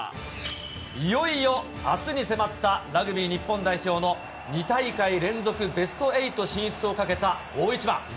いよいよ、あすに迫ったラグビー日本代表の２大会連続ベスト８進出をかけた大一番。